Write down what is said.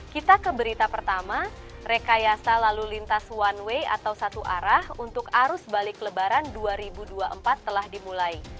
kita ke berita pertama rekayasa lalu lintas one way atau satu arah untuk arus balik lebaran dua ribu dua puluh empat telah dimulai